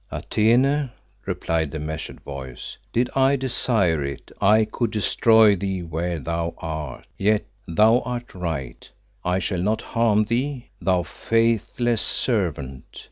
"Atene," replied the measured Voice, "did I desire it, I could destroy thee where thou art. Yet thou art right, I shall not harm thee, thou faithless servant.